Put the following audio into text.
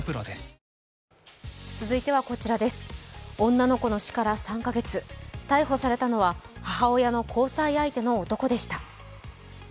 女の子の死から３か月、逮捕されたのは、母親の交際相手の男でした。